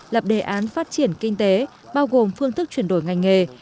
lập đề án phát triển kinh tế bao gồm phương thức chuyển đổi ngành nghề